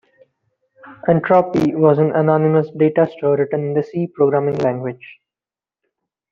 Entropy was an anonymous data store written in the C programming language.